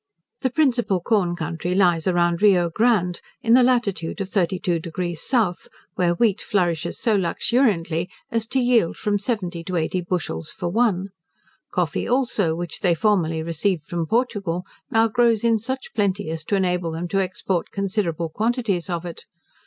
The principal corn country lies around Rio Grande, in the latitude of 32 deg south, where wheat flourishes so luxuriantly, as to yield from seventy to eighty bushels for one. Coffee also, which they formerly received from Portugal, now grows in such plenty as to enable them to export considerable quantities of it.